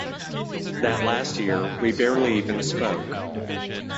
That last year we barely even spoke.